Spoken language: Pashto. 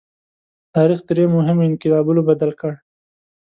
تاریخ درې مهمو انقلابونو بدل کړ.